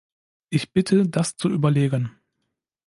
Ich bitte, das zu überlegen.